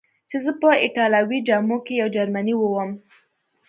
چې زه په ایټالوي جامو کې یو جرمنی ووم.